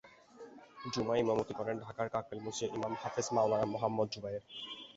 জুমায় ইমামতি করেন ঢাকার কাকরাইল মসজিদের ইমাম হাফেজ মাওলানা মুহামঞ্চদ যুবায়ের।